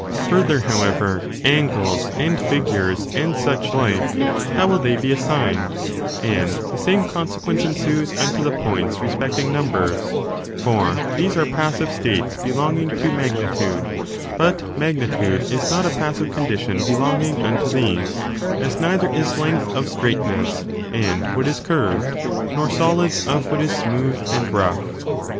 Further, however, angles, and figures, and such like, how will they be assigned 1 and the same consequence ensues unto the points respecting numbers; for these are passive states belonging to magnitude : but magnitude is not a passive condition belonging unto these; as neither is length of straightness and what is curved, nor solids of what is smooth and rough, s.